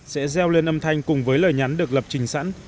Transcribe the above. sẽ gieo lên âm thanh cùng với lời nhắn được lập trình sẵn